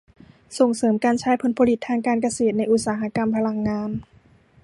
ส่งเสริมการใช้ผลผลิตทางการเกษตรในอุตสาหกรรมพลังงาน